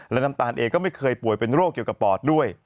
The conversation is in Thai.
และน้ำตาลเองก็ไม่เคยป่วยเป็นโรคเกี่ยวกับปอดด้วย